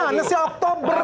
gimana sih oktober